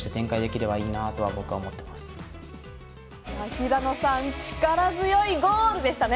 平野さん力強いゴールでしたね。